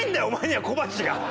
お前には小鉢が。